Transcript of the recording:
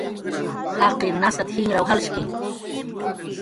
"Jaqin nasat"" jinraw jalshki"